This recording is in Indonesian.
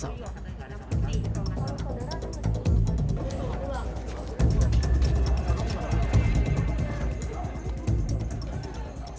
sebelumnya pada kamis malam empat mayat ditemukan dalam sebuah rumah di puruman citraga